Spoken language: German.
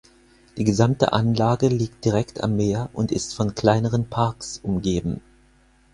Die gesamte Anlage liegt direkt am Meer und ist von kleineren Parks umgeben.